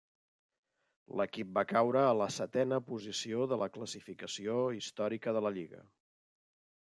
L'equip va caure a la setena posició de la classificació històrica de la lliga.